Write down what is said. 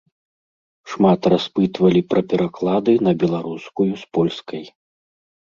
Шмат распытвалі пра пераклады на беларускую з польскай.